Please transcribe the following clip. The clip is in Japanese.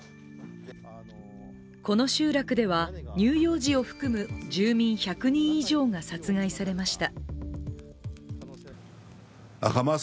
この集落では乳幼児を含む住民１００人以上が殺害されました。